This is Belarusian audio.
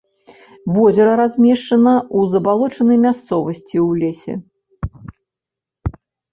Возера размешчана ў забалочанай мясцовасці ў лесе.